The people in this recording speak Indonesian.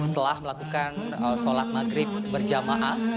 setelah melakukan sholat maghrib berjamaah